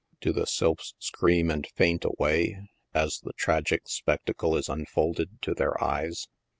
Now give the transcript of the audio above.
Do the sylphs scream and faint away, as the tragic spectacle is unfolded to their eyes